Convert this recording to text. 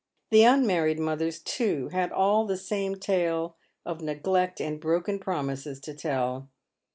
The un married mothers, too, had all the same tale of neglect and broken promises to tell.